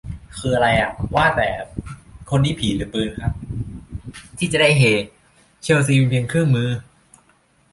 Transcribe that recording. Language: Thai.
คือไรอ่ะ ว่าแต่ คนนี้ผีหรือปืนครับ ที่จะได้เฮ ? เชลซีเป็นเพียงเครื่องมือ !